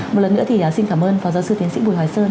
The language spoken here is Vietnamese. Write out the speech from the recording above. một lần nữa thì xin cảm ơn phó giáo sư tiến sĩ bùi hoài sơn